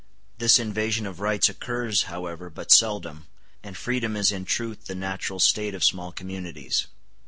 This invasion of rights occurs, however, but seldom, and freedom is in truth the natural state of small communities.